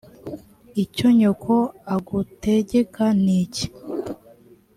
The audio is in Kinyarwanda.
icyo nyoko agutegeka niki